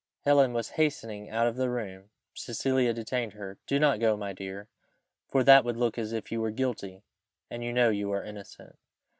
Helen was hastening out of the room, Cecilia detained her. "Do not go, my dear, for that would look as if you were guilty, and you know you are innocent.